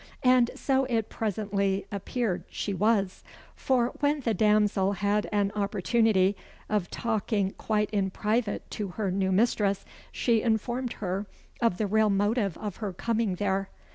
And so it presently appeared she was; for when the damsel had an opportunity of talking quite in private to her new mistress, she informed her of the real motive of her coming there.